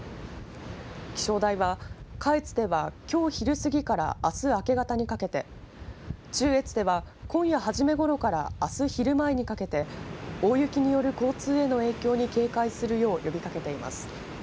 気象台は下越ではきょう昼過ぎからあす明け方にかけて中越では今夜初めごろからあす昼前にかけて大雪による交通への影響に警戒するよう呼びかけています。